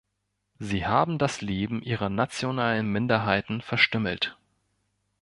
Sie haben das Leben ihrer nationalen Minderheiten verstümmelt.